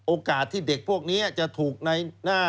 โอกาสที่เด็กพวกนี้จะถูกในหน้า